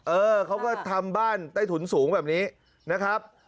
เออเขาก็ทำบ้านใต้ถุนสูงแบบนี้นะครับ